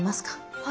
はい。